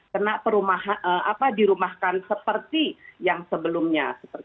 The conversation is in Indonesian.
kena dirumahkan seperti yang sebelumnya